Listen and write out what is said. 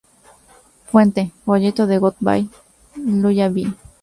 Fuente: folleto de "Goodbye Lullaby".